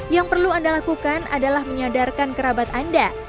yang perlu anda lakukan adalah menyadarkan kerabat anda